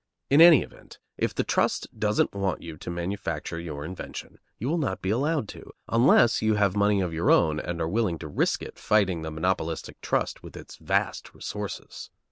In any event, if the trust doesn't want you to manufacture your invention, you will not be allowed to, unless you have money of your own and are willing to risk it fighting the monopolistic trust with its vast resources.